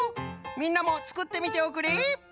みんなもつくってみておくれ！